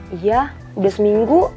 iya udah seminggu